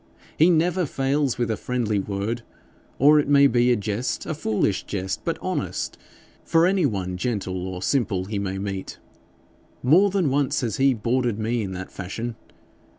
He never fails with a friendly word, or it may be a jest a foolish jest but honest, for any one gentle or simple he may meet. More than once has he boarded me in that fashion.